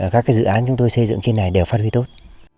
các dự án chúng tôi xây dựng trên này đều phát huy tốt